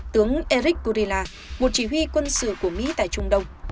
tướng eric kurila một chỉ huy quân sự của mỹ tại trung đông